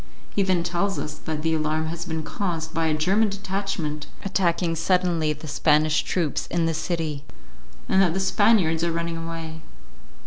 He then tells us that the alarm has been caused by a German detachment attacking suddenly the Spanish troops in the city, and that the Spaniards are running away.